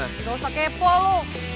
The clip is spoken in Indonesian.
gak usah kepo lo